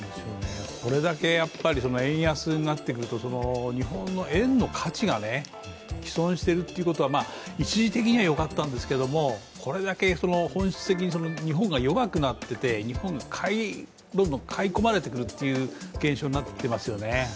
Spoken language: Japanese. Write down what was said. これだけ円安になってくると、日本の円の価値が棄損存しているということは、一時的にはよかったんですけれども、これだけ本質的に日本が弱くなっていて日本がどんどん買い込まれてくる現象になってますよね。